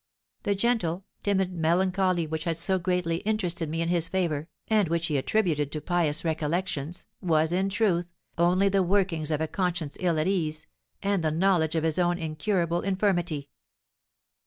The gentle, timid melancholy which had so greatly interested me in his favour, and which he attributed to pious recollections, was, in truth, only the workings of a conscience ill at ease, and the knowledge of his own incurable infirmity."